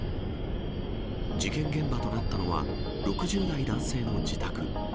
事件現場となったのは、６０代男性の自宅。